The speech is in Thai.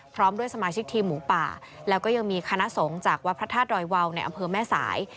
พร้อมด้วยสมาชิกทีมหมูป่าแล้วก็ยังมีคณะสงฆ์จากวัดพระธาตุดอยวาวในอำเภอแม่สาย